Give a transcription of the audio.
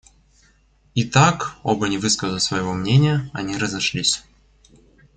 И так, оба не высказав своего мнения, они разошлись.